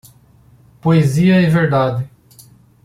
Poesia e verdade.